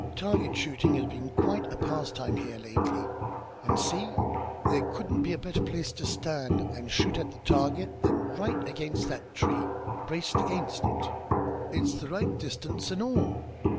Target shooting has been quite a pastime here lately. And see! There couldn't be a better place to stand and shoot at that target, than right against that tree, braced against it. It's the right distance and all.